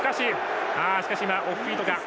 しかしオフフィートだ。